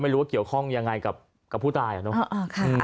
ไม่รู้ว่าเกี่ยวข้องยังไงกับผู้ตายอ่ะเนอะ